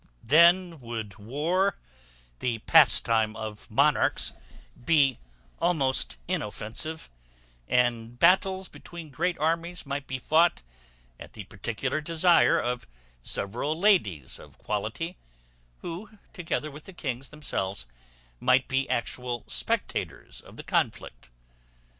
Then would war, the pastime of monarchs, be almost inoffensive, and battles between great armies might be fought at the particular desire of several ladies of quality; who, together with the kings themselves, might be actual spectators of the conflict.